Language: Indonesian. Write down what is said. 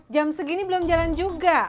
jam segini belum jalan juga